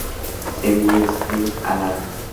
Semillas discoides, aladas.